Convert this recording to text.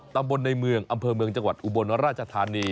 ตำบลในเมืองอำเภอเมืองจังหวัดอุบลราชธานี